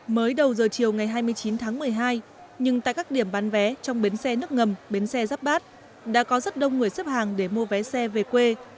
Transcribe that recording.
mới đầu giờ chiều ngày hai mươi chín tháng một mươi hai nhưng tại các điểm bán vé trong bến xe nước ngầm bến xe giáp bát đã có rất đông người xếp hàng để mua vé xe về quê